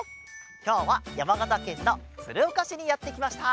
きょうはやまがたけんのつるおかしにやってきました。